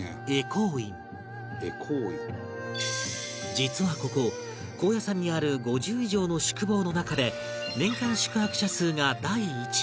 実はここ高野山にある５０以上の宿坊の中で年間宿泊者数が第１位